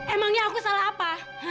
emangnya aku salah apa